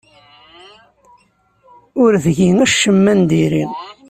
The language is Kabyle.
Ur tgi acemma n diri.